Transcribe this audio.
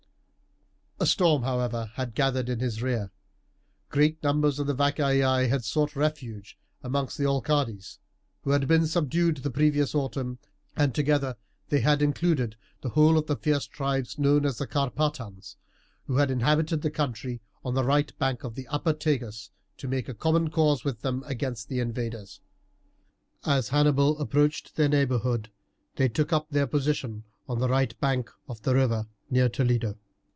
A storm, however, had gathered in his rear. Great numbers of the Vacaei had sought refuge among the Olcades, who had been subdued the previous autumn, and together they had included the whole of the fierce tribes known as the Carpatans, who inhabited the country on the right bank of the upper Tagus, to make common cause with them against the invaders. As Hannibal approached their neighbourhood they took up their position on the right bank of the river near Toledo.